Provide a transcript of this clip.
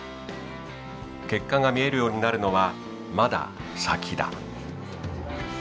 結果が見えるようになるのはまだ先だ。